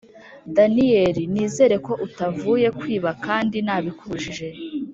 daniel! nizere ko utavuye kwiba kandi nabikubujije!! “